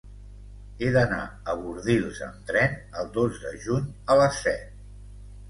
He d'anar a Bordils amb tren el dos de juny a les set.